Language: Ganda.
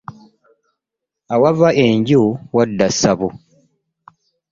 Awava enju wadda ssabo .